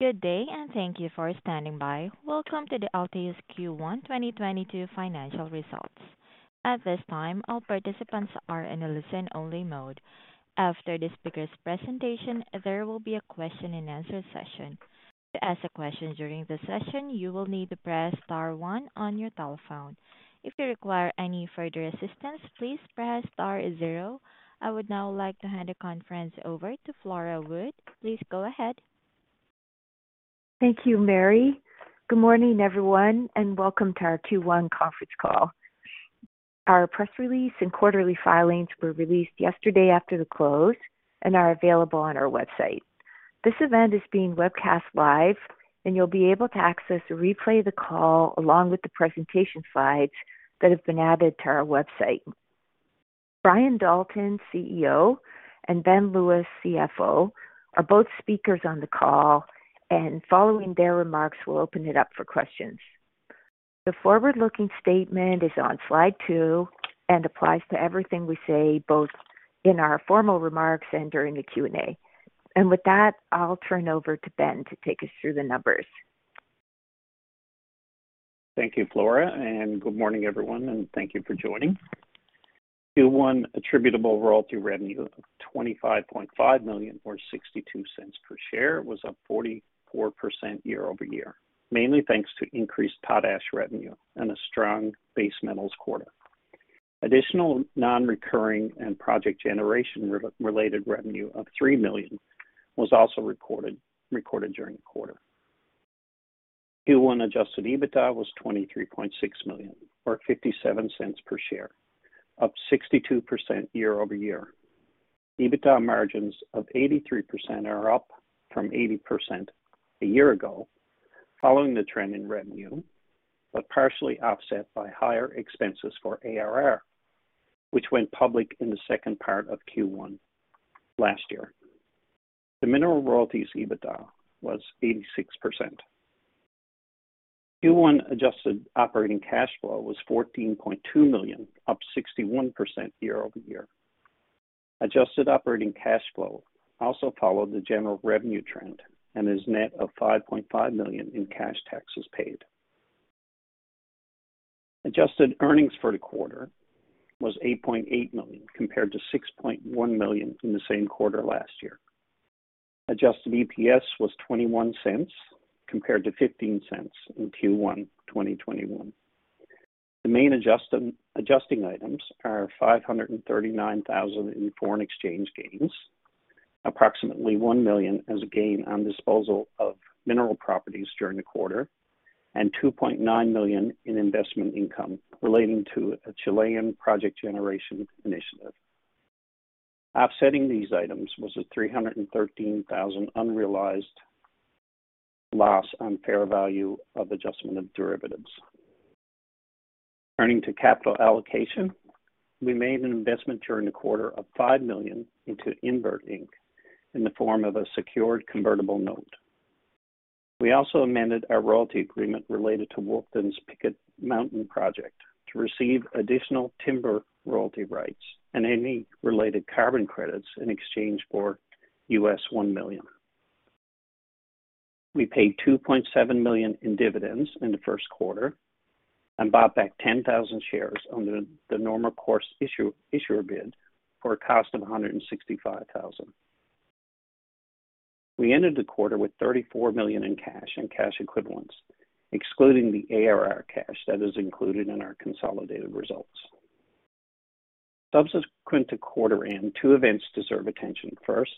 Good day and thank you for standing by. Welcome to the Altius Q1 2022 Financial Results. At this time, all participants are in a listen-only mode. After the speaker's presentation, there will be a question-and-answer session. To ask a question during the session, you will need to press star one on your telephone. If you require any further assistance, please press star zero. I would now like to hand the conference over to Flora Wood. Please go ahead. Thank you, Mary. Good morning, everyone, and welcome to our Q1 conference call. Our press release and quarterly filings were released yesterday after the close and are available on our website. This event is being webcast live, and you'll be able to access a replay of the call along with the presentation slides that have been added to our website. Brian Dalton, CEO, and Ben Lewis, CFO, are both speakers on the call, and following their remarks, we'll open it up for questions. The forward-looking statement is on slide two and applies to everything we say, both in our formal remarks and during the Q&A. With that, I'll turn over to Ben to take us through the numbers. Thank you, Flora, and good morning, everyone, and thank you for joining. Q1 attributable royalty revenue of CAD 25.5 million or CAD 0.62 per share was up 44% year-over-year, mainly thanks to increased potash revenue and a strong base metals quarter. Additional non-recurring and project generation-related revenue of 3 million was also recorded during the quarter. Q1 adjusted EBITDA was 23.6 million, or 0.57 per share, up 62% year-over-year. EBITDA margins of 83% are up from 80% a year ago following the trend in revenue, but partially offset by higher expenses for ARR, which went public in the second part of Q1 last year. The mineral royalties EBITDA was 86%. Q1 adjusted operating cash flow was 14.2 million, up 61% year-over-year. Adjusted operating cash flow also followed the general revenue trend and is net of 5.5 million in cash taxes paid. Adjusted earnings for the quarter was 8.8 million, compared to 6.1 million in the same quarter last year. Adjusted EPS was 0.21, compared to 0.15 in Q1 2021. The main adjusting items are 539 thousand in foreign exchange gains, approximately 1 million as a gain on disposal of mineral properties during the quarter, and 2.9 million in investment income relating to a Chilean project generation initiative. Offsetting these items was a 313 thousand unrealized loss on fair value adjustment of derivatives. Turning to capital allocation, we made an investment during the quarter of 5 million into Invert Inc in the form of a secured convertible note. We also amended our royalty agreement related to Wolfden's Picket Mountain project to receive additional timber royalty rights and any related carbon credits in exchange for $1 million. We paid 2.7 million in dividends in the Q1 and bought back 10,000 shares under the normal course issuer bid for a cost of 165,000. We ended the quarter with 34 million in cash and cash equivalents, excluding the ARR cash that is included in our consolidated results. Subsequent to quarter end, two events deserve attention. First,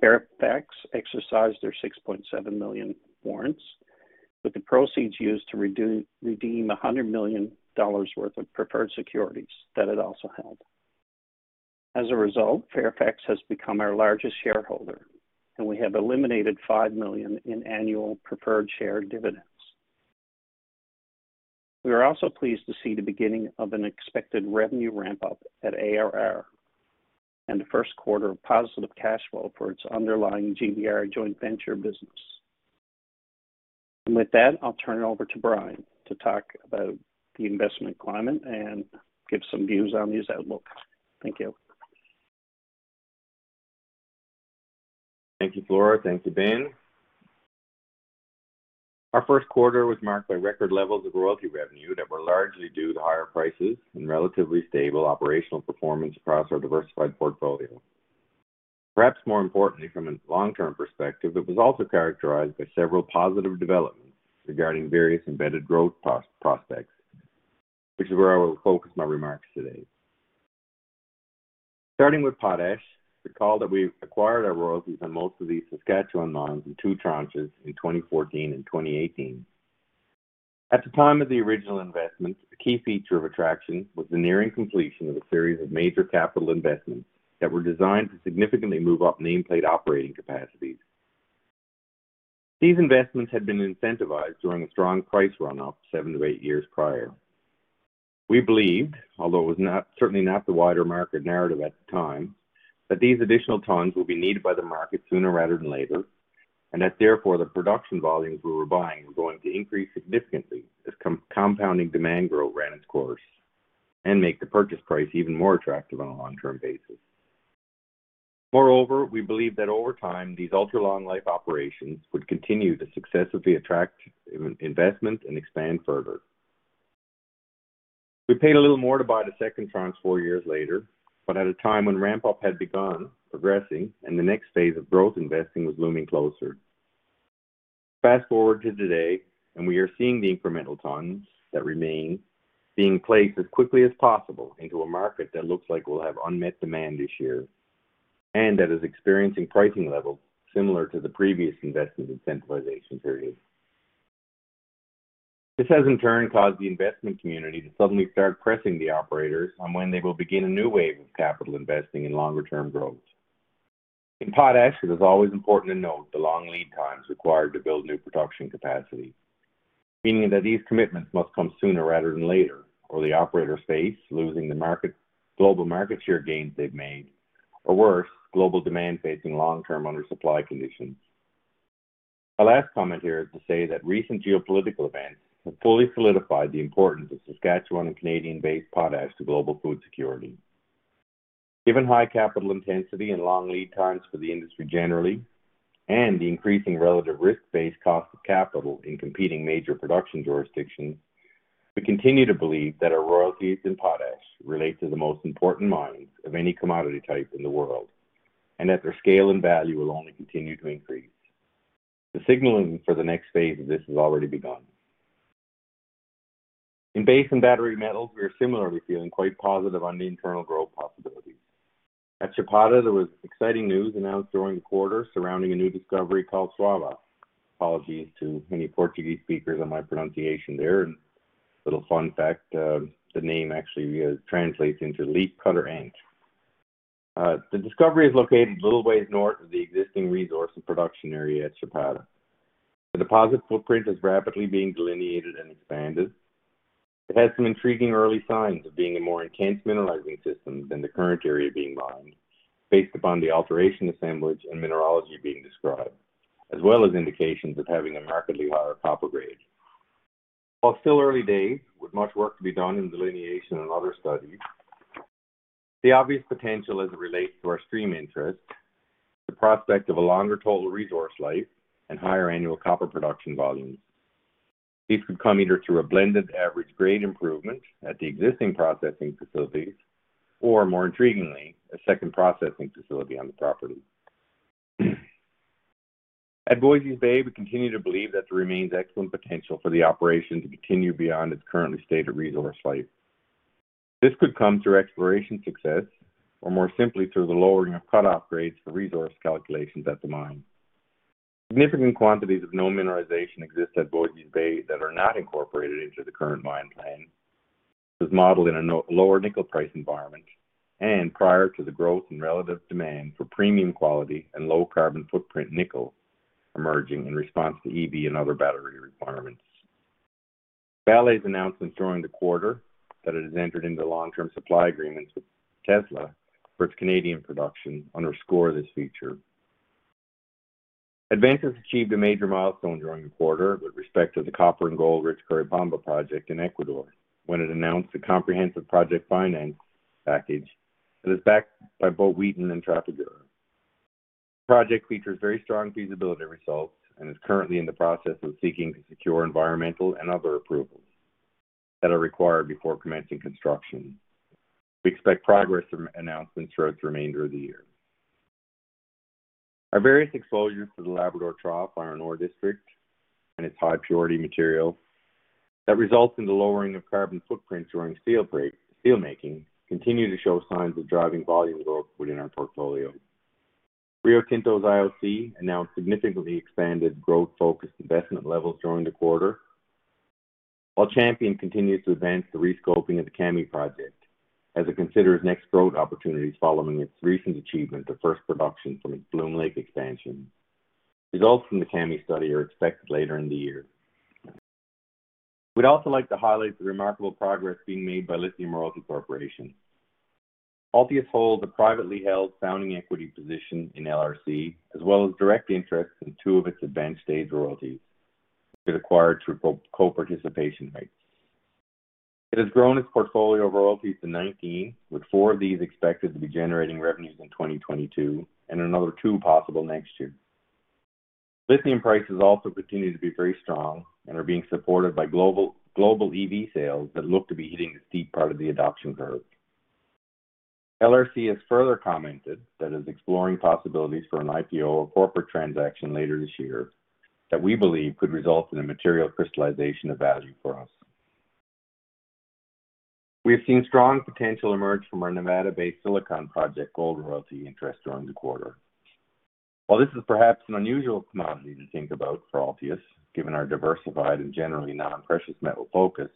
Fairfax exercised their 6.7 million warrants, with the proceeds used to redeem $100 million worth of preferred securities that it also held. As a result, Fairfax has become our largest shareholder, and we have eliminated 5 million in annual preferred share dividends. We are also pleased to see the beginning of an expected revenue ramp up at ARR and the Q1 of positive cash flow for its underlying GBR joint venture business. With that, I'll turn it over to Brian to talk about the investment climate and give some views on these outlooks. Thank you. Thank you, Flora. Thank you, Ben. Our Q1 was marked by record levels of royalty revenue that were largely due to higher prices and relatively stable operational performance across our diversified portfolio. Perhaps more importantly, from a long-term perspective, it was also characterized by several positive developments regarding various embedded growth prospects, which is where I will focus my remarks today. Starting with potash, recall that we acquired our royalties on most of these Saskatchewan mines in two tranches in 2014 and 2018. At the time of the original investment, the key feature of attraction was the nearing completion of a series of major capital investments that were designed to significantly move up nameplate operating capacities. These investments had been incentivized during a strong price run up 7-8 years prior. We believed, although it was not certainly not the wider market narrative at the time, that these additional tons will be needed by the market sooner rather than later, and that therefore, the production volumes we were buying were going to increase significantly as compounding demand growth ran its course. Make the purchase price even more attractive on a long-term basis. Moreover, we believe that over time, these ultra-long life operations would continue to successfully attract investment and expand further. We paid a little more to buy the second tranche four years later, but at a time when ramp-up had begun progressing and the next phase of growth investing was looming closer. Fast-forward to today, and we are seeing the incremental tons that remain being placed as quickly as possible into a market that looks like we'll have unmet demand this year, and that is experiencing pricing levels similar to the previous investment and consolidation period. This has, in turn, caused the investment community to suddenly start pressing the operators on when they will begin a new wave of capital investing in longer-term growth. In potash, it is always important to note the long lead times required to build new production capacity, meaning that these commitments must come sooner rather than later, or the operators face losing the market, global market share gains they've made, or worse, global demand facing long-term undersupply conditions. My last comment here is to say that recent geopolitical events have fully solidified the importance of Saskatchewan and Canadian-based potash to global food security. Given high capital intensity and long lead times for the industry generally, and the increasing relative risk-based cost of capital in competing major production jurisdictions, we continue to believe that our royalties in potash relate to the most important mines of any commodity type in the world, and that their scale and value will only continue to increase. The signaling for the next phase of this has already begun. In base and battery metals, we are similarly feeling quite positive on the internal growth possibilities. At Chapada, there was exciting news announced during the quarter surrounding a new discovery called Saúva. Apologies to any Portuguese speakers on my pronunciation there. A little fun fact, the name actually translates into leafcutter ant. The discovery is located a little ways north of the existing resource and production area at Chapada. The deposit footprint is rapidly being delineated and expanded. It has some intriguing early signs of being a more intense mineralizing system than the current area being mined, based upon the alteration assemblage and mineralogy being described, as well as indications of having a markedly higher copper grade. While it's still early days, with much work to be done in delineation and other studies, the obvious potential as it relates to our stream interest is the prospect of a longer total resource life and higher annual copper production volumes. These could come either through a blended average grade improvement at the existing processing facilities, or more intriguingly, a second processing facility on the property. At Voisey's Bay, we continue to believe that there remains excellent potential for the operation to continue beyond its currently stated resource life. This could come through exploration success, or more simply through the lowering of cut-off grades for resource calculations at the mine. Significant quantities of known mineralization exist at Voisey's Bay that are not incorporated into the current mine plan. It was modeled in a lower nickel price environment, and prior to the growth in relative demand for premium quality and low carbon footprint nickel emerging in response to EV and other battery requirements. Vale's announcement during the quarter that it has entered into long-term supply agreements with Tesla for its Canadian production underscore this feature. Adventus achieved a major milestone during the quarter with respect to the copper-gold Curipamba project in Ecuador, when it announced a comprehensive project finance package that is backed by both Wheaton and Trafigura. The project features very strong feasibility results and is currently in the process of seeking to secure environmental and other approvals that are required before commencing construction. We expect progress announcements throughout the remainder of the year. Our various exposures to the Labrador Trough iron ore district and its high purity material that results in the lowering of carbon footprints during steelmaking continue to show signs of driving volume growth within our portfolio. Rio Tinto's IOC announced significantly expanded growth-focused investment levels during the quarter. While Champion continues to advance the re-scoping of the Kami project as it considers next growth opportunities following its recent achievement of first production from its Bloom Lake expansion. Results from the Kami study are expected later in the year. We'd also like to highlight the remarkable progress being made by Lithium Royalty Corporation. Altius holds a privately held founding equity position in LRC, as well as direct interests in two of its advanced stage royalties it acquired through co-participation rights. It has grown its portfolio of royalties to 19, with four of these expected to be generating revenues in 2022 and another two possible next year. Lithium prices also continue to be very strong and are being supported by global EV sales that look to be hitting the steep part of the adoption curve. LRC has further commented that it is exploring possibilities for an IPO or corporate transaction later this year that we believe could result in a material crystallization of value for us. We have seen strong potential emerge from our Nevada-based Silicon Project gold royalty interest during the quarter. While this is perhaps an unusual commodity to think about for Altius, given our diversified and generally non-precious metal focus,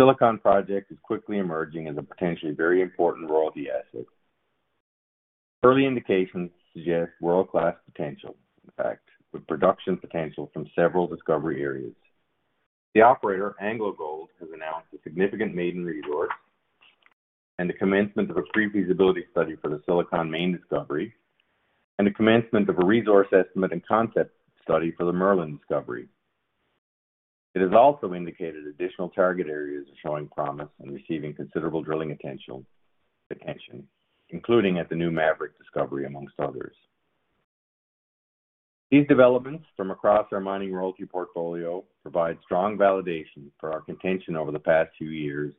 Silicon Project is quickly emerging as a potentially very important royalty asset. Early indications suggest world-class potential, in fact, with production potential from several discovery areas. The operator, AngloGold Ashanti, has announced a significant maiden resource and the commencement of a pre-feasibility study for the Silicon Main discovery, and the commencement of a resource estimate and concept study for the Merlin discovery. It has also indicated additional target areas are showing promise and receiving considerable drilling attention, including at the new Maverick discovery, among others. These developments from across our mining royalty portfolio provide strong validation for our contention over the past two years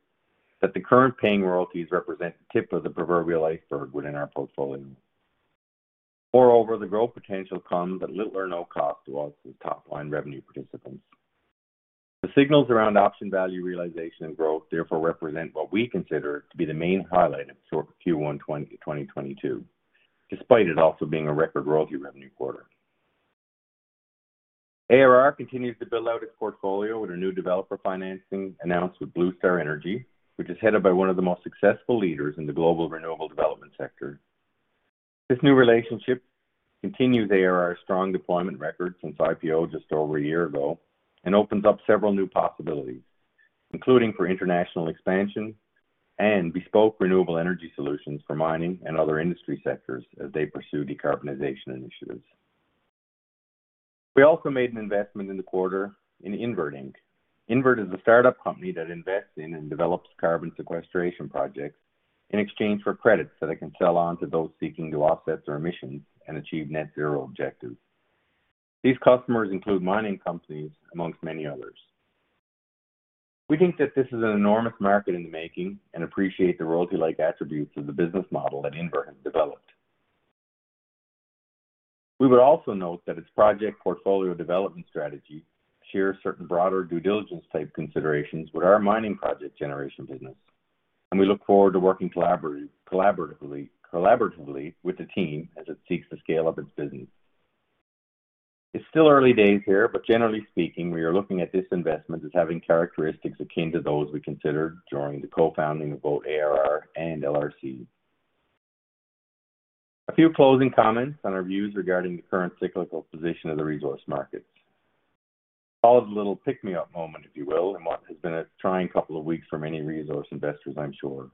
that the current paying royalties represent the tip of the proverbial iceberg within our portfolio. Moreover, the growth potential comes at little or no cost to us as top-line revenue participants. The signals around option value realization and growth therefore represent what we consider to be the main highlight of Q1 2022, despite it also being a record royalty revenue quarter. ARR continues to build out its portfolio with a new developer financing announced with Bluestar Energy Capital, which is headed by one of the most successful leaders in the global renewable development sector. This new relationship continues ARR's strong deployment record since IPO just over a year ago, and opens up several new possibilities, including for international expansion and bespoke renewable energy solutions for mining and other industry sectors as they pursue decarbonization initiatives. We also made an investment in the quarter in Invert Inc. Invert is a startup company that invests in and develops carbon sequestration projects in exchange for credits that it can sell on to those seeking to offset their emissions and achieve net zero objectives. These customers include mining companies among many others. We think that this is an enormous market in the making and appreciate the royalty-like attributes of the business model that Invert has developed. We would also note that its project portfolio development strategy shares certain broader due diligence type considerations with our mining project generation business, and we look forward to working collaboratively with the team as it seeks to scale up its business. It's still early days here, but generally speaking, we are looking at this investment as having characteristics akin to those we considered during the co-founding of both ARR and LRC. A few closing comments on our views regarding the current cyclical position of the resource markets. Call it a little pick-me-up moment, if you will, in what has been a trying couple of weeks for many resource investors, I'm sure.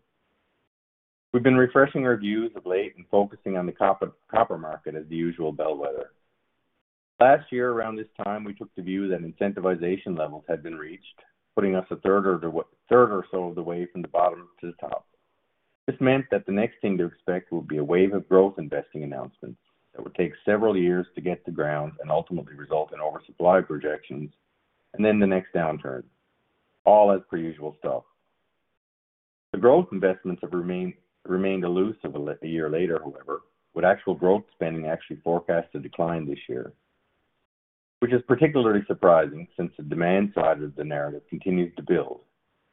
We've been refreshing our views of late and focusing on the copper market as the usual bellwether. Last year around this time, we took the view that incentivization levels had been reached, putting us a third or so of the way from the bottom to the top. This meant that the next thing to expect will be a wave of growth investing announcements that would take several years to get to ground and ultimately result in oversupply projections, and then the next downturn, all as per usual stuff. The growth investments have remained elusive a year later, however, with actual growth spending actually forecast to decline this year, which is particularly surprising since the demand side of the narrative continues to build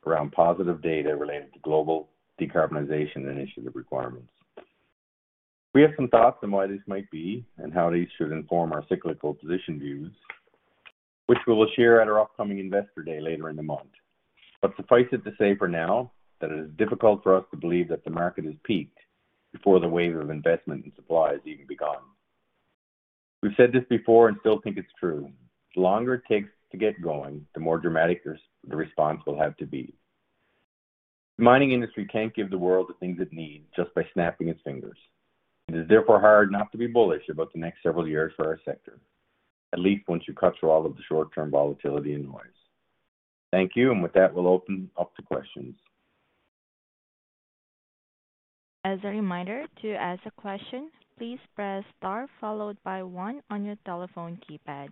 around positive data related to global decarbonization initiative requirements. We have some thoughts on why this might be and how these should inform our cyclical position views, which we will share at our upcoming Investor Day later in the month. Suffice it to say for now that it is difficult for us to believe that the market has peaked before the wave of investment and supply has even begun. We've said this before and still think it's true. The longer it takes to get going, the more dramatic the response will have to be. The mining industry can't give the world the things it needs just by snapping its fingers. It is therefore hard not to be bullish about the next several years for our sector, at least once you cut through all of the short-term volatility and noise. Thank you. With that, we'll open up to questions. As a reminder, to ask a question, please press Star followed by one on your telephone keypad.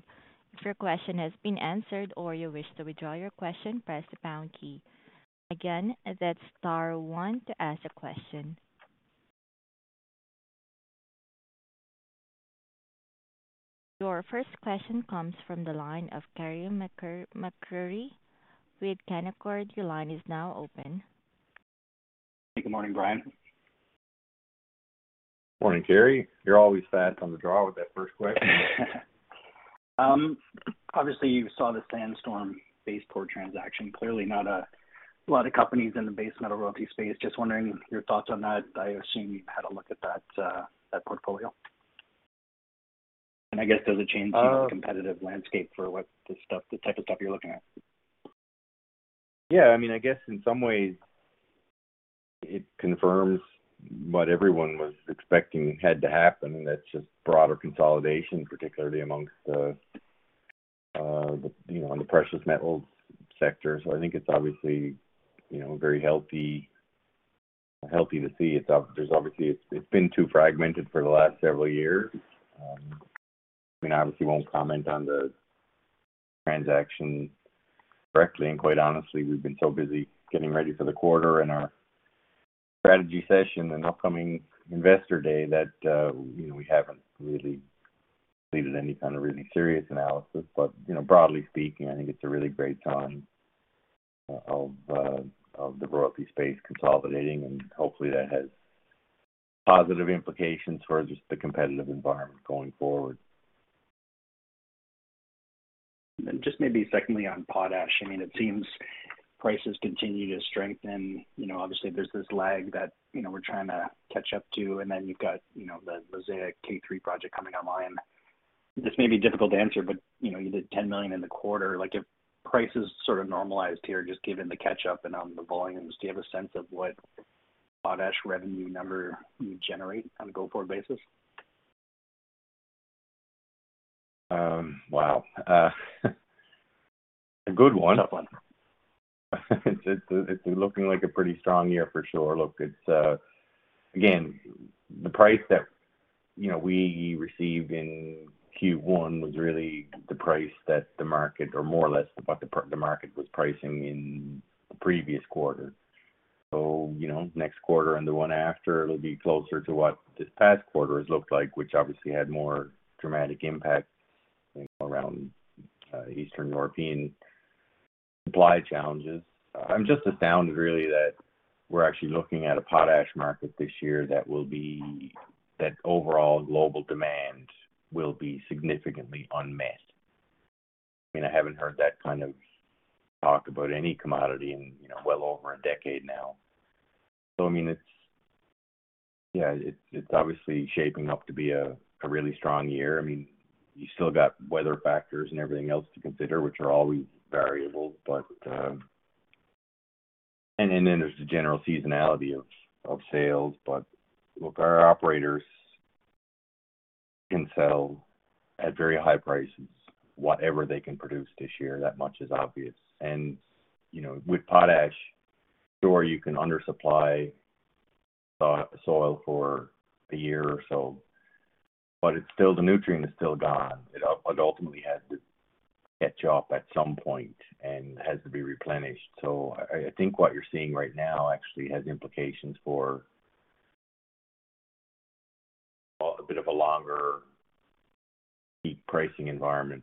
If your question has been answered or you wish to withdraw your question, press the pound key. Again, that's Star one to ask a question. Your first question comes from the line of Carey MacRury with Canaccord Genuity. Your line is now open. Good morning, Brian. Morning, Carey. You're always fast on the draw with that first question. Obviously, you saw the Sandstorm BaseCore transaction. Clearly not a lot of companies in the base metal royalty space. Just wondering your thoughts on that. I assume you've had a look at that portfolio. I guess, does it change the competitive landscape for what, the stuff, the type of stuff you're looking at? Yeah. I mean, I guess in some ways it confirms what everyone was expecting had to happen, and that's just broader consolidation, particularly amongst the, you know, on the precious metals sector. I think it's obviously, you know, very healthy to see. There's obviously. It's been too fragmented for the last several years. I mean, obviously won't comment on the transaction directly, and quite honestly, we've been so busy getting ready for the quarter and our strategy session and upcoming Investor Day that, you know, we haven't really completed any kind of really serious analysis. You know, broadly speaking, I think it's a really great sign of the royalty space consolidating, and hopefully that has positive implications for just the competitive environment going forward. Just maybe secondly on potash. I mean, it seems prices continue to strengthen. You know, obviously there's this lag that, you know, we're trying to catch up to, and then you've got, you know, the Mosaic K3 project coming online. This may be difficult to answer, but, you know, you did 10 million in the quarter. Like, if prices sort of normalized here, just given the catch up and on the volumes, do you have a sense of what potash revenue number you generate on a go-forward basis? Wow. A good one. A tough one. It's looking like a pretty strong year for sure. Look, it's. Again, the price that, you know, we received in Q1 was really the price that the market, or more or less what the market was pricing in the previous quarter. So, you know, next quarter and the one after, it'll be closer to what this past quarter has looked like, which obviously had more dramatic impact around Eastern European supply challenges. I'm just astounded really that we're actually looking at a potash market this year that overall global demand will be significantly unmet. I mean, I haven't heard that kind of talk about any commodity in, you know, well over a decade now. So I mean, it's. Yeah, it's obviously shaping up to be a really strong year. I mean, you still got weather factors and everything else to consider, which are always variable, and then there's the general seasonality of sales. Look, our operators can sell at very high prices whatever they can produce this year. That much is obvious. You know, with potash, sure, you can undersupply soil for a year or so, but it's still the nutrient is still gone. It ultimately has to catch up at some point and has to be replenished. I think what you're seeing right now actually has implications for a bit of a longer peak pricing environment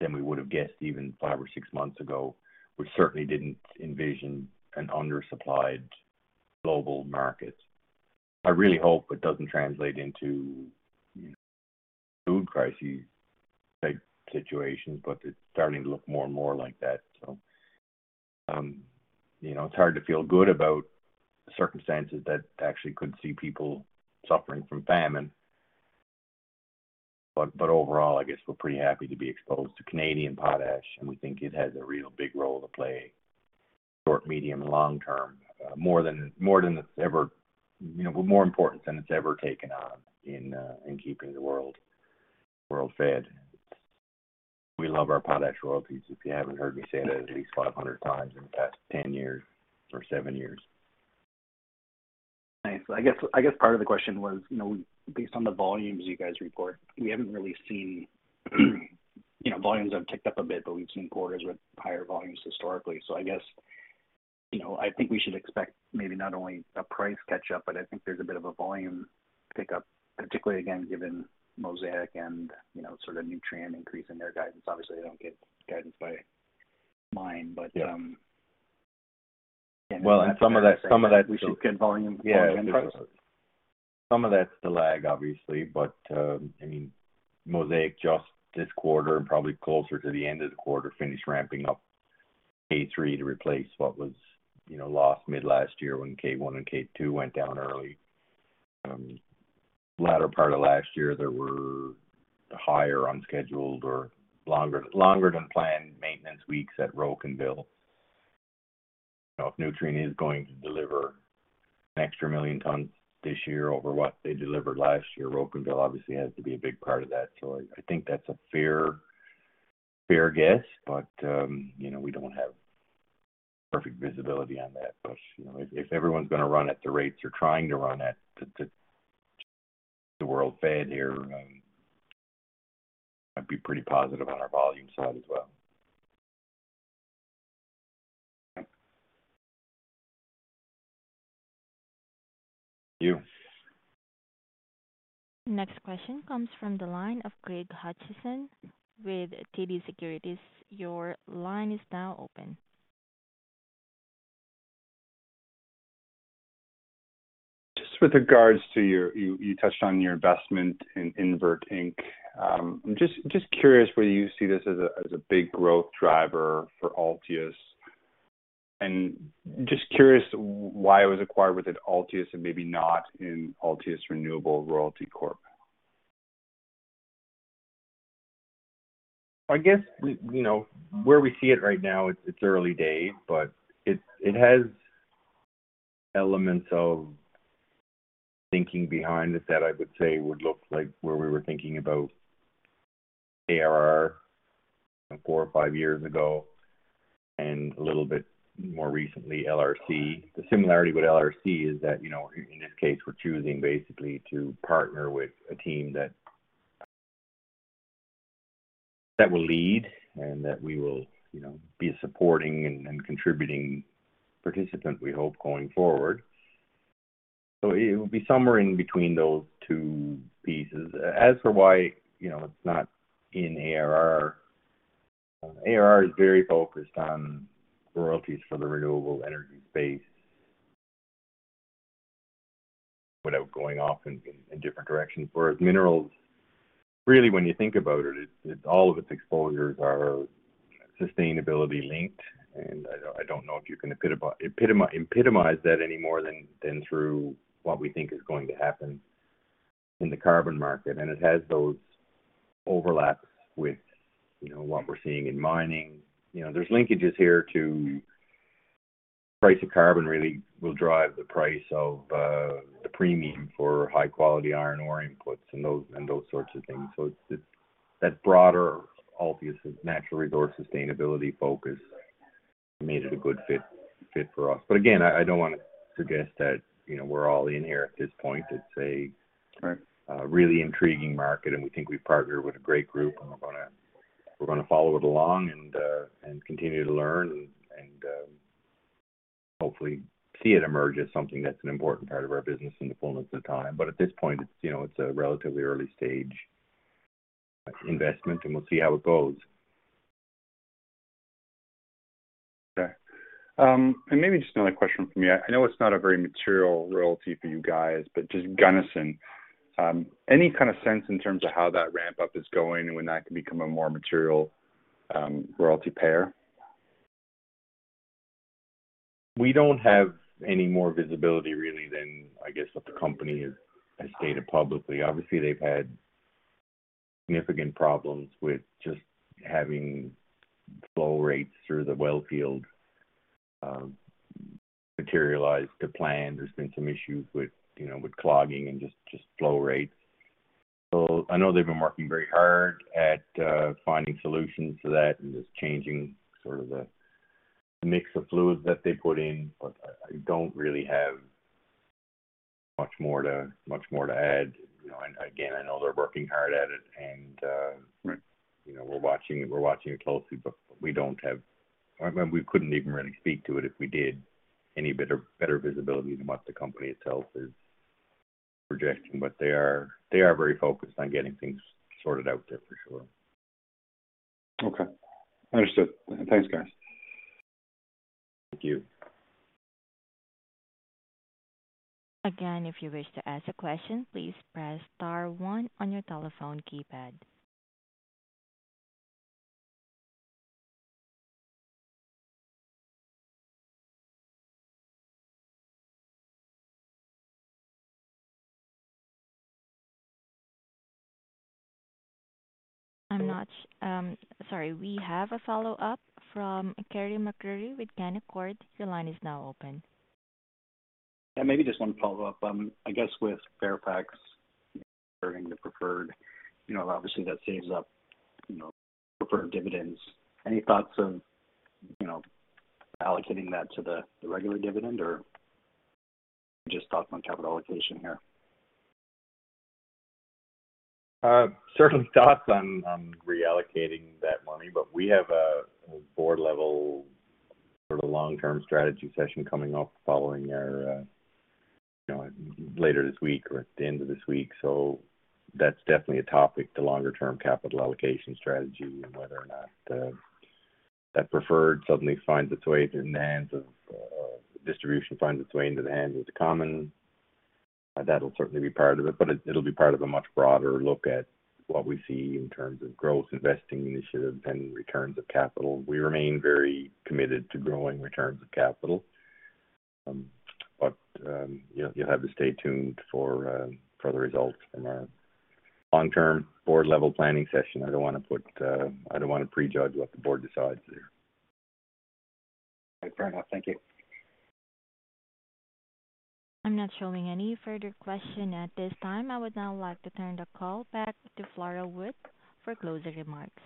than we would have guessed even five or six months ago. We certainly didn't envision an undersupplied global market. I really hope it doesn't translate into food crisis type situations, but it's starting to look more and more like that. You know, it's hard to feel good about circumstances that actually could see people suffering from famine. Overall, I guess we're pretty happy to be exposed to Canadian potash, and we think it has a real big role to play short, medium, and long term. More than it's ever. You know, more important than it's ever taken on in keeping the world fed. We love our potash royalties, if you haven't heard me say that at least 500 times in the past 10 years or seven years. Thanks. I guess part of the question was, you know, based on the volumes you guys report, we haven't really seen. You know, volumes have ticked up a bit, but we've seen quarters with higher volumes historically. I guess, you know, I think we should expect maybe not only a price catch-up, but I think there's a bit of a volume pickup, particularly again, given Mosaic and, you know, sort of Nutrien increase in their guidance. Obviously, they don't give guidance by mine, but. Yeah. Well, some of that. We should get volume. Yeah. -volume increases. Some of that's the lag, obviously. I mean, Mosaic just this quarter and probably closer to the end of the quarter, finished ramping up K3 to replace what was, you know, lost mid last year when K1 and K2 went down early. Latter part of last year, there were higher unscheduled or longer than planned maintenance weeks at Rocanville. If Nutrien is going to deliver an extra 1 million tons this year over what they delivered last year, Rocanville obviously has to be a big part of that. I think that's a fair guess. We don't have perfect visibility on that. If everyone's going to run at the rates they're trying to run at to keep the world fed here, I'd be pretty positive on our volume side as well. Thank you. Next question comes from the line of Craig Hutchison with TD Securities. Your line is now open. You touched on your investment in Invert Inc. I'm just curious whether you see this as a big growth driver for Altius. Just curious why it was acquired within Altius and maybe not in Altius Renewable Royalties Corp. I guess. You know, where we see it right now, it's early days, but it has elements of thinking behind it that I would say would look like where we were thinking about ARR four or five years ago and a little bit more recently LRC. The similarity with LRC is that, you know, in this case, we're choosing basically to partner with a team that will lead and that we will, you know, be a supporting and contributing participant, we hope, going forward. It would be somewhere in between those two pieces. As for why, you know, it's not in ARR. ARR is very focused on royalties for the renewable energy space without going off in different directions. Whereas minerals, really when you think about it all of its exposures are sustainability linked, and I don't know if you can epitomize that any more than through what we think is going to happen in the carbon market. It has those overlaps with, you know, what we're seeing in mining. You know, there's linkages here to the price of carbon really will drive the price of the premium for high quality iron ore inputs and those sorts of things. It's that broader Altius natural resource sustainability focus made it a good fit for us. Again, I don't want to suggest that, you know, we're all in here at this point. It's a- Right. Really intriguing market, and we think we've partnered with a great group, and we're gonna follow it along and continue to learn and hopefully see it emerge as something that's an important part of our business in the fullness of time. But at this point it's, you know, it's a relatively early stage investment, and we'll see how it goes. Okay. Maybe just another question from me. I know it's not a very material royalty for you guys, but just Gunnison. Any kind of sense in terms of how that ramp up is going and when that can become a more material royalty payer? We don't have any more visibility really than, I guess, what the company has stated publicly. Obviously, they've had significant problems with just having flow rates through the well field materialize to plan. There's been some issues with, you know, with clogging and just flow rates. So I know they've been working very hard at finding solutions to that and just changing sort of the mix of fluids that they put in. But I don't really have much more to add. You know, and again, I know they're working hard at it, and Right. You know, we're watching it closely, but we don't have. I mean, we couldn't even really speak to it if we did, any better visibility than what the company itself is projecting. They are very focused on getting things sorted out there for sure. Okay. Understood. Thanks, guys. Thank you. Again, if you wish to ask a question, please press star one on your telephone keypad. Sorry. We have a follow-up from Carey MacRury with Canaccord. Your line is now open. Yeah, maybe just one follow-up. I guess with Fairfax converting the preferred, you know, obviously that saves up, you know, preferred dividends. Any thoughts of, you know, allocating that to the regular dividend or just thoughts on capital allocation here? Certain thoughts on reallocating that money, but we have a board level sort of long-term strategy session coming up following our you know, later this week or at the end of this week. That's definitely a topic, the longer term capital allocation strategy and whether or not distribution finds its way into the hands of the common. That'll certainly be part of it, but it'll be part of a much broader look at what we see in terms of growth, investing initiatives and returns of capital. We remain very committed to growing returns of capital. You'll have to stay tuned for the results from our long-term board level planning session. I don't want to pre-judge what the board decides there. Fair enough. Thank you. I'm not showing any further question at this time. I would now like to turn the call back to Flora Wood for closing remarks.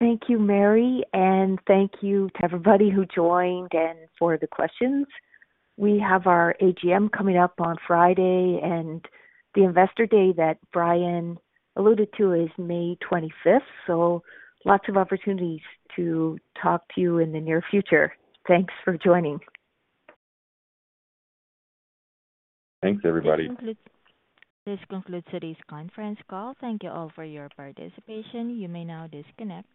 Thank you, Mary, and thank you to everybody who joined and for the questions. We have our AGM coming up on Friday, and the Investor Day that Brian alluded to is May 25th, so lots of opportunities to talk to you in the near future. Thanks for joining. Thanks, everybody. This concludes today's conference call. Thank you all for your participation. You may now disconnect.